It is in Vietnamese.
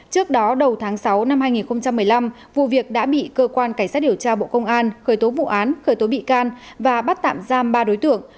trước đó đầu tháng sáu năm hai nghìn một mươi năm vụ việc đã bị cơ quan cảnh sát điều tra bộ công an khởi tố vụ án khởi tố bị can và bắt tạm giam ba đối tượng